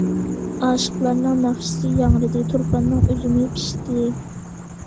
ئاشىقلارنىڭ ناخشىسى ياڭرىدى، تۇرپاننىڭ ئۈزۈمى پىشتى.